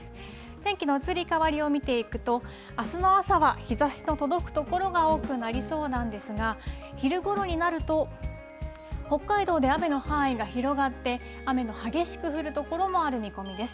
天気の移り変わりを見ていくと、あすの朝は、日ざしの届く所が多くなりそうなんですが、昼ごろになると、北海道で雨の範囲が広がって、雨が激しく降る所もある見込みです。